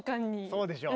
そうでしょう。